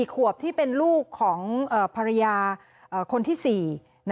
ขวบที่เป็นลูกของภรรยาคนที่๔